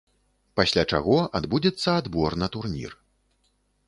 Пасля чаго адбудзецца адбор на турнір.